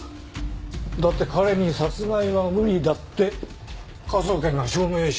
だって彼に殺害は無理だって科捜研が証明してくれたんだから。